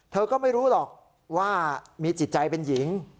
เธอก็ไม่รู้หรอกว่ามีจิตใจเป็นหญิง